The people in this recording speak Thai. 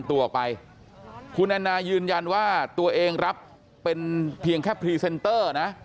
ตัวออกไปคุณแอนนายืนยันว่าตัวเองรับเป็นเพียงแค่พรีเซนเตอร์นะ